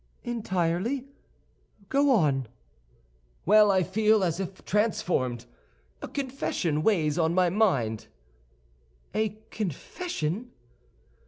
"Entirely; go on." "Well, I feel as if transformed—a confession weighs on my mind." "A confession!"